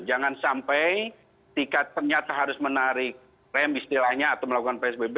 jangan sampai tingkat ternyata harus menarik rem istilahnya atau melakukan psbb